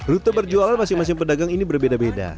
rute berjualan masing masing pedagang ini berbeda beda